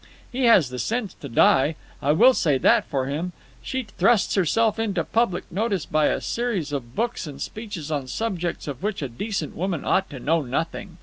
He has the sense to die. I will say that for him. She thrusts herself into public notice by a series of books and speeches on subjects of which a decent woman ought to know nothing.